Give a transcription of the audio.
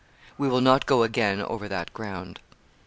We will not go again over that ground.